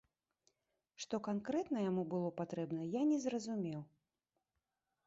Што канкрэтна яму было патрэбна, я не зразумеў.